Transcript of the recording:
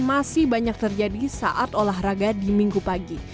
masih banyak terjadi saat olahraga di minggu pagi